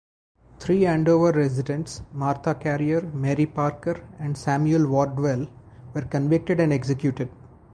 Three Andover residents, Martha Carrier, Mary Parker, and Samuel Wardwell, were convicted and executed.